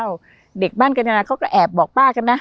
แล้วเด็กบ้านกันนาภูมิความถึงเขาก็แอบบอกป้ากันนะ